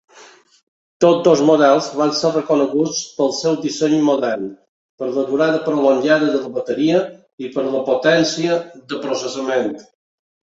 Tots dos models van ser reconeguts pel seu disseny modern, per la durada prolongada de la bateria i per la potència de processament.